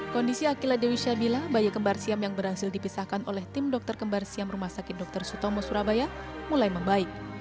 kondisi akila dewi syabila bayi kembar siam yang berhasil dipisahkan oleh tim dokter kembar siam rumah sakit dr sutomo surabaya mulai membaik